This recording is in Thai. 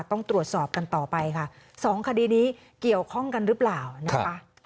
ต้องตรวจสอบกันต่อไปค่ะสองคดีนี้เกี่ยวข้องกันหรือเปล่านะคะ